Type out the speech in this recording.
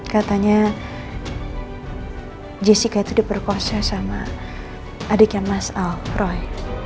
katanya jessica itu diperkosa sama adiknya mas al roy